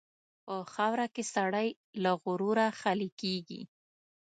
په خاوره کې سړی له غروره خالي کېږي.